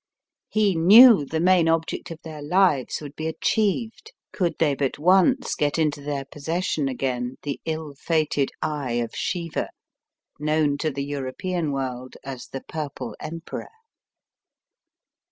He knew the main object of their lives would be achieved could they but once get into their possession again the ill fated Eye of Shiva, known to the European world as the Purple Emperor.